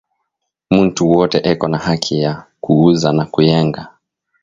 Muntu wote eko na haki ya ku uza na kuyenga